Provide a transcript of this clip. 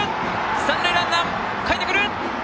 三塁ランナー、かえってきた！